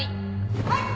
はい。